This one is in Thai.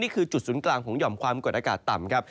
จุดศูนย์กลางของหย่อมความกดอากาศต่ำครับ